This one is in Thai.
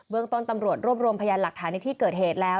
เมืองต้นตำรวจรวบรวมพยานหลักฐานในที่เกิดเหตุแล้ว